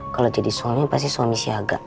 kalau jadi soalnya pasti suami siaga